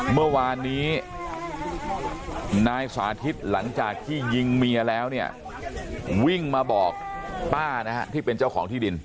เมื่อวานนี้นายสาธิตหลังจากที่ยิงเมียแล้วเนี่ยวิ่งมาบอกป้านะฮะที่เป็นเจ้าของที่ดิน